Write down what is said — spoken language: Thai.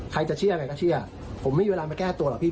ใครจะเชื่ออะไรก็เชื่อผมไม่มีเวลามาแก้ตัวหรอกพี่